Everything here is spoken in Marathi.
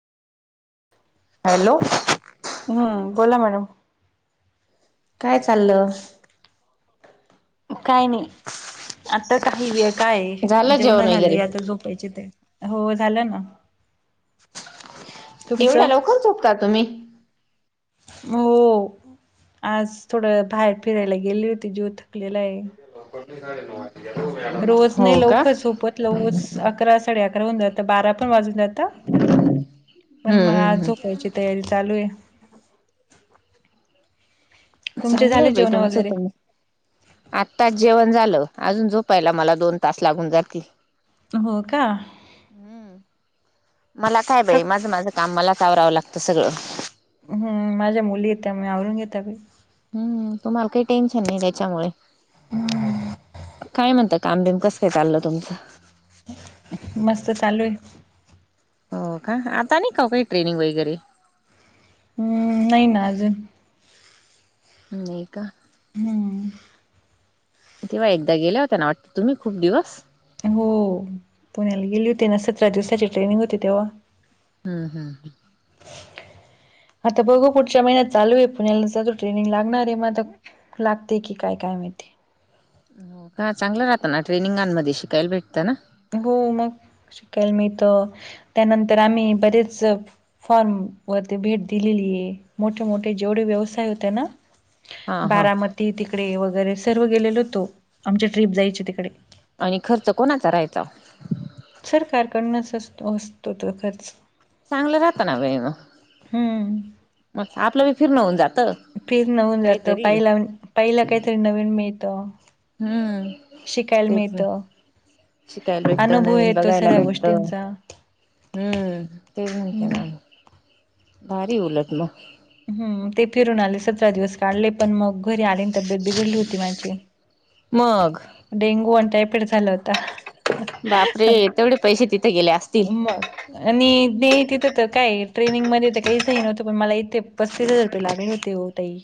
हॅलो! हं बोला मॅडम. काय चाललं? काय नाही,, आता काही वेळ काय,, झालं जेवण जेवणं वगैरे झाली आता झोपायची तया हो झालं ना. एवढ्या तुमचं लवकर झोपता तुम्ही? हो. आज थोडं बाहेर फिरायला गेली होती, जीव थकलेला आहे. [unintelligible] साडेनऊ [unintelligible] रोज नाही लवकरच झोपत, रोज आकरा साडे आकरा होऊन जातं,, बारा पण वाजून जातं,, पण म आज हम्म झोपायची तयारी चालू आहे, तुमचे चांगलं आहे झाली बाई जेवणं तुमचं वगैरे? तुम्ही आत्ताच जेवण झालं,, आजून झोपायला मला दोन तास लागून जातील. हो का? हम्म,, मला काय थक बाई माझं माझं काम मलाचं आवरावं लागतं सगळं. हू माझ्या मुली आहेत त्यामुळं आवरून घेत्या बाई. हम्म तुम्हाला काही टेन्शन नाही तेच्यामुळे. हम्म काय म्हणता काम बिम कस काय चाललं तुमचं? मस्त चालू आहे. हो का,, आता नाही का ओ काही ट्रेनिंग वगैरे? हम्म नाही ना आजून. नाही का? हम्म तेव्हा एकदा गेल्या होता ना वाटतं तुम्ही खूप दिवस? हो पुण्याला गेली होती ना सतरा दिवसाची ट्रेनिंग होती तेव्हा. हम्म हम्म हम्म. आता बघू पुढच्या महिन्यात चालू आहे पुण्याला [unintelligible] ट्रेनिंग लागणार आहे म आता लागते की काय काय माहिती? हो का चांगलं राहत ना ट्रेनिंगांमध्ये शिकायला भेटतं ना? हो मग शिकायला मिळत, त्यानंतर आम्ही बरेच फॉर्म वरती भेट दिलेली आहे मोठेमोठे जेवढे व्यवसाय होते ना हा हा बारामती तिकडे वगैरे सर्व गेलेलो होतो आमची ट्रिप जायची तिकडे. आणि खर्च कोणाचा राहायचा? सरकारकडनच असतो असतो तो खर्च. चांगलं राहातं ना व्हय म हम्म मग आपलं बी फिरण होऊन जातं. फ्रिज नव मिळतं पहिला पहिलं काहीतरी नवीन मिळतं. हम्म शिकायला तेच ना. मिळतं. शिकायला भेटत, अनुभव नवीन येतो बघायला सगळ्या भेटत. गोष्टींचा हम्म तेच म्हणते मग ना मी भारी हे उलट म हम्म ते फिरून आले सतरा दिवस काढले, पण मग घरी आले आण तब्येत बिघडली होती माझी. मग डेंगू आणि टायफड झालं हो- ता बापरे तेवढे पैसे तिथे गेले असतील म आणि नाही तिथं तर काय ट्रेनिंग मध्ये तर काहीच हे नव्हतं पण मला इथे पस्तीस हजार रुपये लागले होते हो ताई.